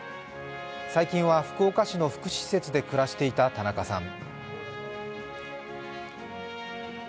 最近は福岡市の福祉施設で暮らしていた田中さん。